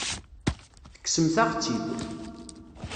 Tekksemt-aɣ-tt-id.